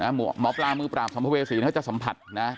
หมอปลามือปราบสัมภเวษีท่านจะสัมผัสนะ